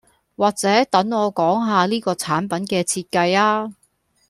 或者等我講吓呢個產品嘅設計吖